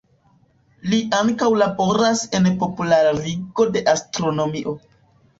Li ankaŭ laboras en popularigo de astronomio.